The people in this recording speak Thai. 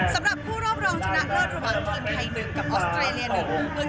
สำหรับผู้รอบรองชนะเลิศระหว่างทีมไทย๑กับออสเตรเลีย๑คู่พึ่ง